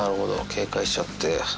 警戒しちゃって。